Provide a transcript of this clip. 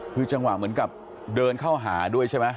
คือจังหวะเหมือนกับเดินเข้าหาด้วยใช่ไหม